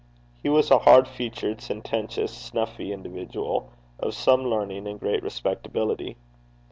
He was a hard featured, sententious, snuffy individual, of some learning, and great respectability.